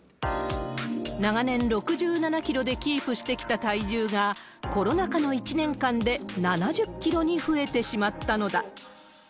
長年６７キロでキープしてきた体重が、コロナ禍の１年間で７０キロに増えてしまったのだ。